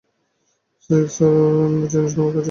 Six, ওর এমন কোনো জিনিস তোমার কাছে আছে যা আমাকে দিতে চাও?